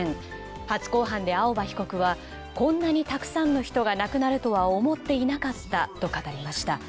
初公判で青葉被告はこんなにたくさんの人が亡くなるとは思っていなかったと語りました。